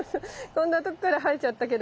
こんなとこから生えちゃったけど。